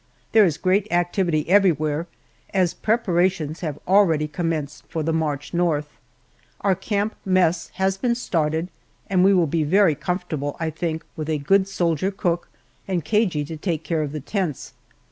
There is great activity everywhere, as preparations have already commenced for the march north. Our camp "mess" has been started, and we will be very comfortable, I think, with a good soldier cook and Cagey to take care of the tents.